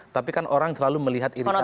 tapi kan orang selalu melihat irisan